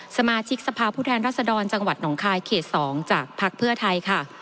สมาชิกสภาพผู้แทนรัศดรจังหวัดหนองคายเขต๒จากพักเพื่อไทยค่ะ